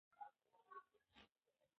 روژه د حجرو بیا رغونې فرصت برابروي.